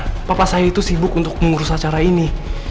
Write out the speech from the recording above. karena papa saya itu sibuk untuk mengurus acara ini